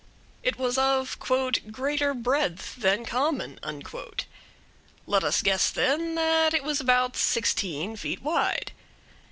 It was of "greater breadth than common." Let us guess, then, that it was about sixteen feet wide.